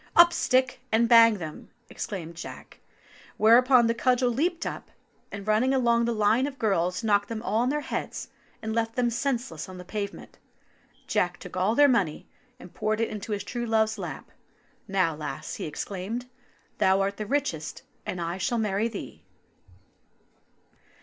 "Up, stick, and bang them!" exclaimed Jack; where upon the cudgel leaped up, and running along the line of girls, knocked them all on the heads and left them senseless on the pavement. Jack took all their money and poured it into his true love's lap. "Now, lass," he exclaimed, "thou art the richest, and I shall marry thee."